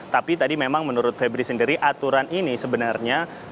tapi tadi memang menurut febri sendiri aturan ini sebenarnya